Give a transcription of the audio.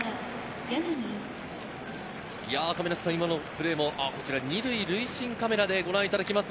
今のプレーも２塁塁審カメラでご覧いただきます。